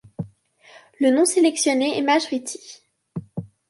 Le nom sélectionné est Majriti.